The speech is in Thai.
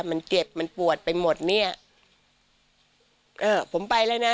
มันเจ็บมันปวดไปหมดเนี้ยเออผมไปแล้วนะ